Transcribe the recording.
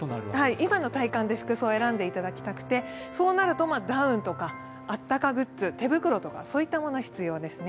今の体感で服装を選んでいただきたくて、そうなると、ダウンとかあったかグッズ、手袋とかそういったものが必要ですね。